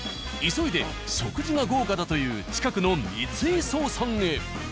急いで食事が豪華だという近くの三井荘さんへ。